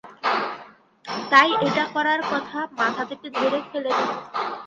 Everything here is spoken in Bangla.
তাই এটা করার কথা মাথা থেকে ঝেড়ে ফেলে দিন।